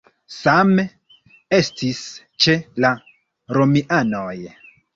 Same estis ĉe la romianoj.